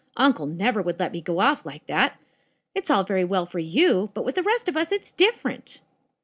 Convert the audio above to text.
"Uncle never would let me go off like that. It's all very well for you, but with the rest of us it's different."